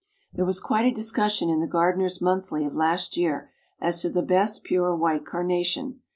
There was quite a discussion in the Gardener's Monthly of last year as to the best pure White Carnation.